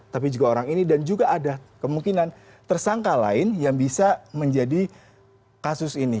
tapi juga orang ini dan juga ada kemungkinan tersangka lain yang bisa menjadi kasus ini